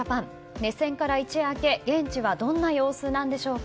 熱戦から一夜明け現地はどんな様子なんでしょうか。